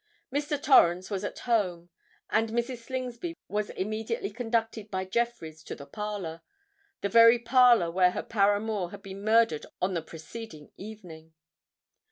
Mr. Torrens was at home; and Mrs. Slingsby was immediately conducted by Jeffreys to the parlour—the very parlour where her paramour had been murdered on the preceding evening!